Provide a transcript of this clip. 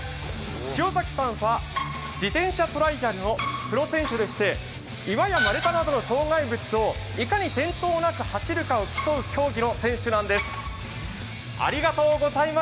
塩崎さんは自転車トライアルのプロ選手でして、岩や丸太などの障害物をいかに転倒なく走るかを競う競技の選手なんです。